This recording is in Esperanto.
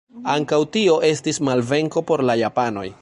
Ankaŭ tio estis malvenko por la japanoj.